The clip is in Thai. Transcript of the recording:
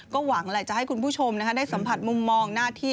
ก็หวังแหละจะให้คุณผู้ชมได้สัมผัสมุมมองหน้าที่